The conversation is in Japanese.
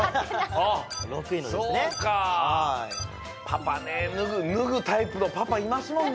パパね脱ぐタイプのパパいますもんね。